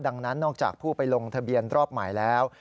ดังนั้นนอกจากผู้ไปลงทะเบียนรอบใหม่แล้ว